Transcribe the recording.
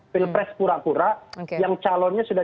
pilpres pura pura yang calonnya sudah